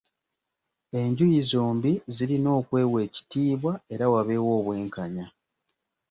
Enjuyi zombi zirina okwewa ekitiibwa era wabeewo obwenkanya.